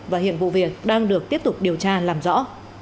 và hiện vụ việc đang được tiếp tục điều tra làm rõ